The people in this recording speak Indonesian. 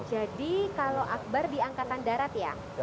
jadi kalau akbar di angkatan darat ya